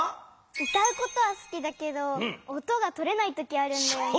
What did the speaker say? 歌うことはすきだけど音がとれない時あるんだよね。